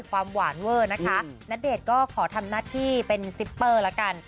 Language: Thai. ความหวานเวอร์นะคะณเดชน์ก็ขอทำหน้าที่เป็นซิปเปอร์ละกัน